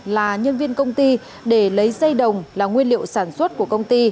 là nhân viên công ty để lấy dây đồng là nguyên liệu sản xuất của công ty